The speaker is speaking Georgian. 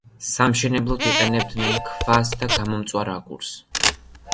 სამშენებლოდ იყენებდნენ ქვას და გამომწვარ აგურს.